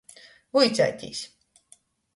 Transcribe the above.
Vuiceitīs.